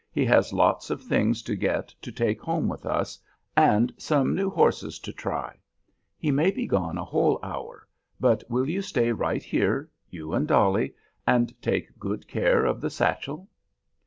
He has lots of things to get to take home with us, and some new horses to try. He may be gone a whole hour, but will you stay right here you and dolly and take good care of the satchel?"